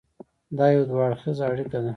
دا یو دوه اړخیزه اړیکه ده.